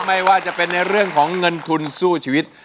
ไม่ว่าจะเป็นในเรื่องของเงินทุนสู้ชีวิต